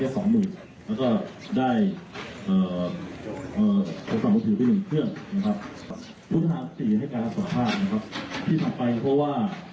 พ่อพ่อก็เลยกล่าวจริงเฉพาะ